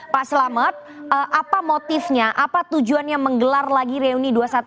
pak selamet apa motifnya apa tujuannya menggelar lagi reuni dua ratus dua belas